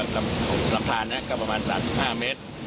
ลำทานนะก็ประมาณ๓๕เมตร